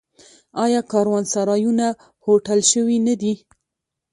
آیا کاروانسرایونه هوټل شوي نه دي؟